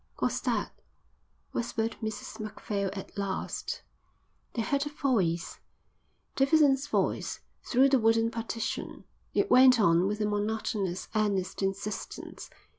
"What's that?" whispered Mrs Macphail at last. They heard a voice, Davidson's voice, through the wooden partition. It went on with a monotonous, earnest insistence.